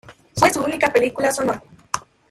Fue su única película sonora.